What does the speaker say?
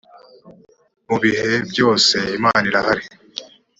mu bihe byose imana irahari.